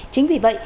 chính vì vậy